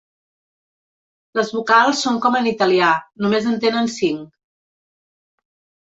Les vocals són com en italià, només en tenen cinc.